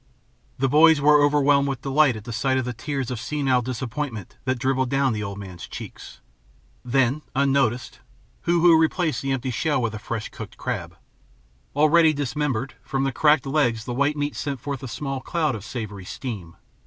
The boys were overwhelmed with delight at sight of the tears of senile disappointment that dribbled down the old man's cheeks. Then, unnoticed, Hoo Hoo replaced the empty shell with a fresh cooked crab. Already dismembered, from the cracked legs the white meat sent forth a small cloud of savory steam.